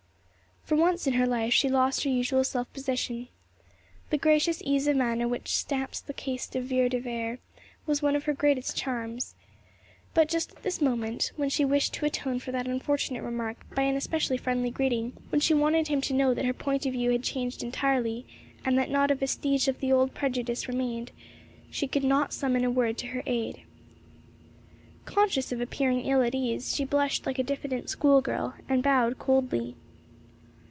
For once in her life she lost her usual self possession. That gracious ease of manner which "stamps the caste of Vere de Vere" was one of her greatest charms. But just at this moment, when she wished to atone for that unfortunate remark by an especially friendly greeting, when she wanted him to know that her point of view had changed entirely, and that not a vestige of the old prejudice remained, she could not summon a word to her aid. Conscious of appearing ill at ease, she blushed like a diffident school girl, and bowed coldly.